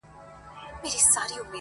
د نېکۍ او د احسان خبري ښې دي!.